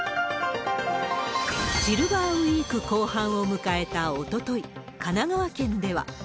シルバーウィーク後半を迎えたおととい、神奈川県では。